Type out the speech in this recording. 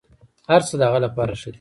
هرڅه د هغه لپاره ښه دي.